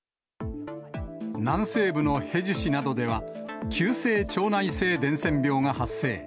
南西部のヘジュ市などでは、急性腸内性伝染病が発生。